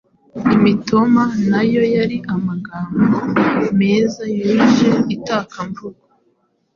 Imitoma ,nayo yari amagambo meza yuje itakamvugo